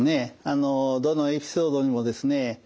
どのエピソードにもですね